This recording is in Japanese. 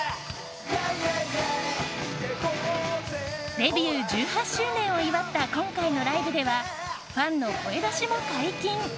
デビュー１８周年を祝った今回のライブではファンの声出しも解禁。